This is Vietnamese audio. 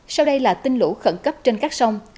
sau đây là tin lũ khẩn cấp trên các sông